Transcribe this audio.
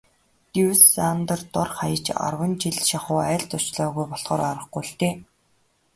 Дюссандер дор хаяж арван жил шахуу айлд зочлоогүй болохоор аргагүй л дээ.